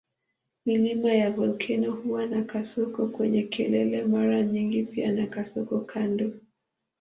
Milima ya volkeno huwa na kasoko kwenye kelele mara nyingi pia na kasoko kando.